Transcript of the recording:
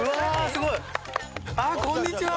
すごいあっこんにちは